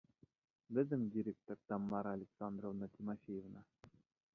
Беҙҙең директор Тамара Александровна Тимофеева.